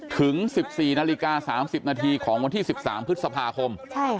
ถึง๑๔นาฬิกา๓๐นาทีของวันที่๑๓พฤษภาคม